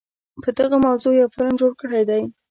په دغه موضوع يو فلم جوړ کړے دے